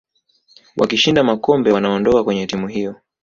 wakishinda makombe wanaondoka kwenye timu hiyo